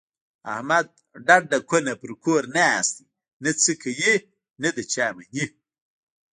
احمد ډډه کونه په کور ناست دی، نه څه کوي نه د چا مني.